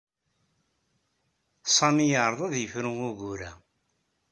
Sami yeɛreḍ ad yefru ugur-a.